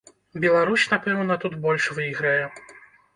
Беларусь, напэўна, тут больш выйграе.